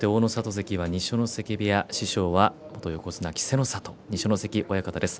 関は二所ノ関部屋、師匠は元横綱稀勢の里二所ノ関親方です。